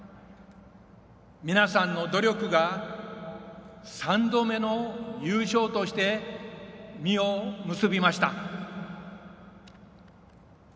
皆さんの努力が３度目の優勝として実を結びました。